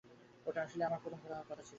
ওটা আসলে আমার প্রথম ঘোড়া হওয়ার কথা ছিল।